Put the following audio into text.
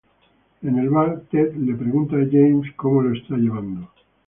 En el bar, Ted le pregunta a James cómo lo está llevando.